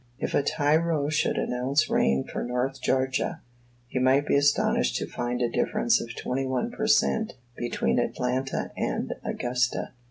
If a tyro should announce rain for North Georgia, he might be astonished to find a difference of twenty one per cent. between Atlanta and Augusta.